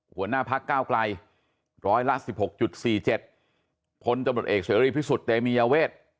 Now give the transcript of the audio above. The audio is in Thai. หัวหน้าพักก้าวไกลร้อยละ๑๖๔๗พลตำรวจเอกเสรีพิสุทธิ์เตมียเวท